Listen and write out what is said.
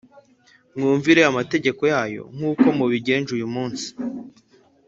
mwumvire amategeko yayo nk’uko mubigenjeje uyu munsi